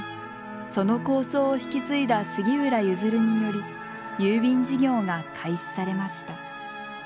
その構想を引き継いだ杉浦譲により郵便事業が開始されました。